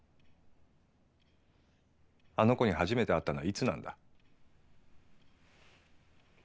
あの子に初めて会ったのはいつなんだ。